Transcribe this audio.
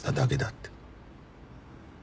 って。